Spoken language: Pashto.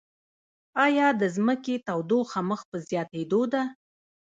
ایا د ځمکې تودوخه مخ په زیاتیدو ده؟